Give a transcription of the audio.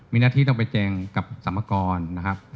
มีหน้าที่ต้องไปแจงกับสรรพากรนะครับ